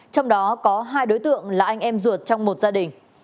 trong đó có hai đối tượng là anh em ruột trong một gia đình